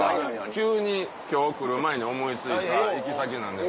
急に今日来る前に思い付いた行き先なんですけど。